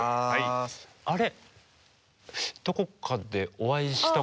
あれ？